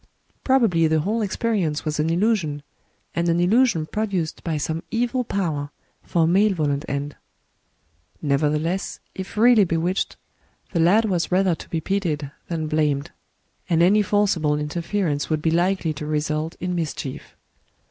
Probably the whole experience was an illusion, and an illusion produced by some evil power for a malevolent end. Nevertheless, if really bewitched, the lad was rather to be pitied than blamed; and any forcible interference would be likely to result in mischief.